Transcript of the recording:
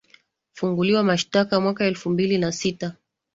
funguliwa mashtaka mwaka elfu mbili na sita